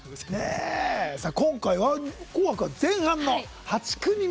今回は「紅白」は前半の８組目。